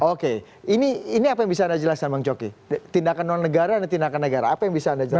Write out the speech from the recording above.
oke ini apa yang bisa anda jelaskan bang coki tindakan non negara atau tindakan negara apa yang bisa anda jelaskan